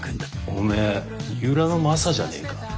おめえ二浦のマサじゃねえか？